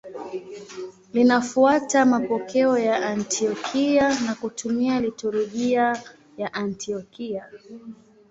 Linafuata mapokeo ya Antiokia na kutumia liturujia ya Antiokia.